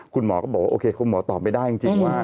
คุณหมอก็บอกว่าโอเคคุณหมอตอบไม่ได้จริงว่า